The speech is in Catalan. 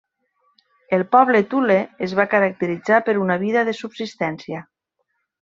El poble Thule es va caracteritzar per una vida de subsistència.